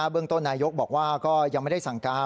เรื่องต้นนายกบอกว่าก็ยังไม่ได้สั่งการ